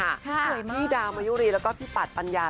เราใยมากที่ดาวมายุรีย์แล้วก็ที่ปัดปัญญา